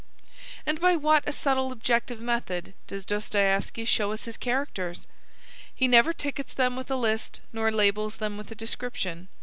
And by what a subtle objective method does Dostoieffski show us his characters! He never tickets them with a list nor labels them with a description.